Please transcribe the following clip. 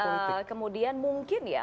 dan kemudian mungkin ya